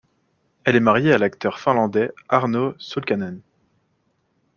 Elle est mariée à l'acteur finlandais Aarno Sulkanen.